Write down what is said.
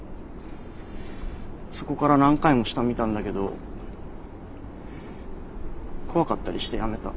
そこから何回も下見たんだけど怖かったりしてやめた。